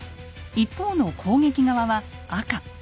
一方の攻撃側は赤。